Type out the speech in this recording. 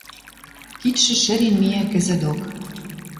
Кидшӹ шӹрен миӓ кӹзӹ док.